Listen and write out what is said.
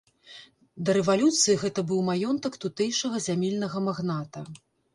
Да рэвалюцыі гэта быў маёнтак тутэйшага зямельнага магната.